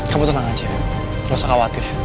kamu tenang aja nggak usah khawatir